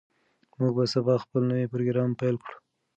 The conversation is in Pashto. موږ به سبا خپل نوی پروګرام پیل کړو.